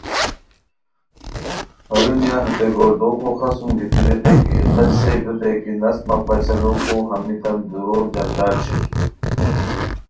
ہرونیہ ہتے گوردوغو خڅوم گیتی ریتائے کی اے قاضی صاحب ریتائے کی نست مہ فیصلو کو، ہمیتان دورو جنجال شیر